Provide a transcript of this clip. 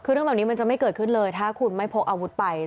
คือเรื่องแบบนี้มันจะไม่เกิดขึ้นเลยถ้าคุณไม่พกอาวุธไป